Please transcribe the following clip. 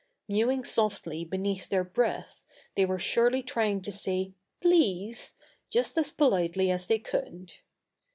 Mewing softly beneath their breath they were surely trying to say "please!" just as politely as they could.